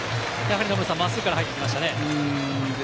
真っすぐから入ってきましたね。